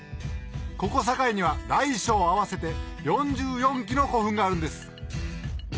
ここ堺には大小合わせて４４基の古墳があるんです